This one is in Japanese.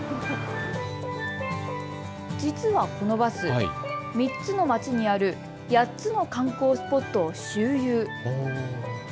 実はこのバス、３つの街にある８つの観光スポットを周遊。